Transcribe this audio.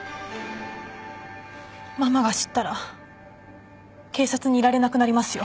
ママが知ったら警察にいられなくなりますよ。